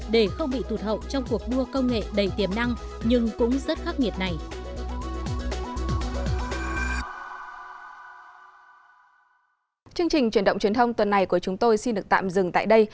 để không bị tụt hậu trong cuộc đua công nghệ đầy tiềm năng nhưng cũng rất khắc nghiệt này